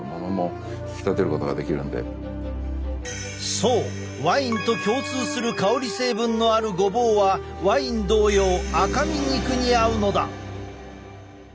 そうワインと共通する香り成分のあるごぼうはワイン同様赤身肉に合うのだ！